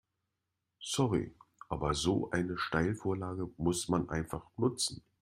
Sorry, aber so eine Steilvorlage muss man einfach nutzen.